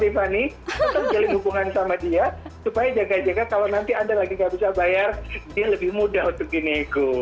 tiffany atau jalin hubungan sama dia supaya jaga jaga kalau nanti anda lagi nggak bisa bayar dia lebih mudah untuk binego